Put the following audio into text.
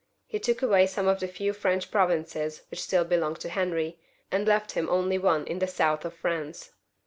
He took away some of the few French provinces which still belonged to Henry, and left him only one in the south of France.